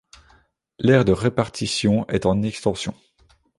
L'aire de répartition est en extension.